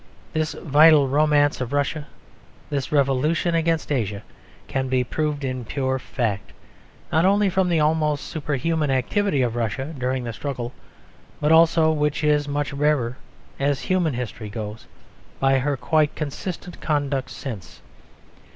This vital romance of Russia, this revolution against Asia, can be proved in pure fact: not only from the almost superhuman activity of Russia during the struggle, but also (which is much rarer as human history goes) by her quite consistent conduct since.